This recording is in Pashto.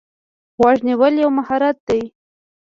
غوږ نیول یو مهارت دی.